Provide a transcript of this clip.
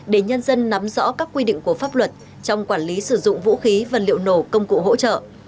để nhân dân nắm rõ các quy định của pháp luật trong quản lý sử dụng vũ khí vật liệu nổ công cụ hỗ trợ